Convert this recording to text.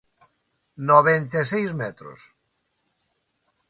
Noventa e seis metros.